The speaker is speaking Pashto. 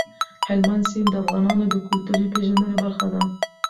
هلمند سیند د افغانانو د کلتوري پیژندنې برخه ده.